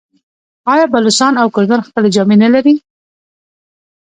آیا بلوڅان او کردان خپلې جامې نلري؟